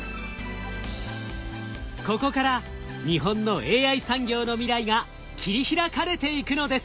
ここから日本のＡＩ産業の未来が切り開かれていくのです。